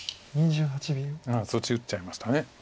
そっち打っちゃいました。